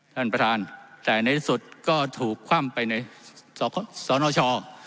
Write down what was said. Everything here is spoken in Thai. ท่านประธานแต่ในที่สุดก็ถูกคว่ำไปในสนช